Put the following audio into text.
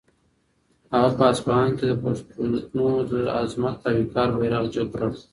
هغه په اصفهان کې د پښتنو د عظمت او وقار بیرغ جګ کړ.